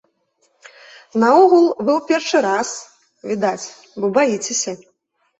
Наогул, вы ў першы раз, відаць, бо баіцеся.